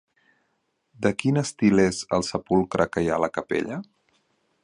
De quin estil és el sepulcre que hi ha a la capella?